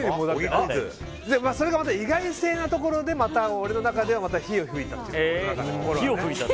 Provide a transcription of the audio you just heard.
それがまた意外性なところでまた俺の中では火を噴いた。